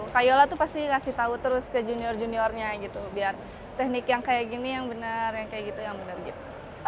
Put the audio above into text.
kak yola tuh pasti kasih tahu terus ke junior juniornya gitu biar teknik yang kayak gini yang benar yang kayak gitu yang benar gitu